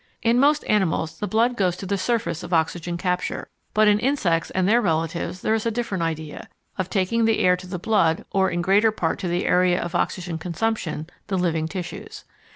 In most animals the blood goes to the surface of oxygen capture; but in insects and their relatives there is a different idea of taking the air to the blood or in greater part to the area of oxygen combustion, the living tissues.